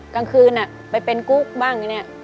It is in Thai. กลางคืนไปเป็นกุ๊กบ้าง